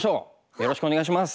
よろしくお願いします。